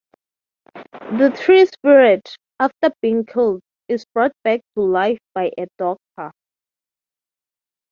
The tree-spirit, after being killed, is brought back to life by a doctor.